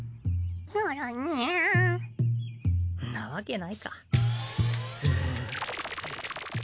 なわけないか。